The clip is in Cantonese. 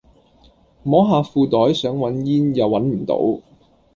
摸下褲袋想搵煙又搵唔到